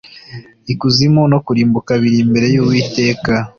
ikuzimu no kurimbuka biri imbere y’uwiteka